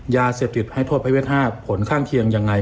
ยาเสพติดให้โทษประเภท๕ผลข้างเคียงยังไง